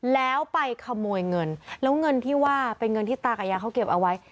แล้วไปขโมยเงินแล้วเงินที่ว่าเป็นเงินที่ตากับยาเขาเก็บเอาไว้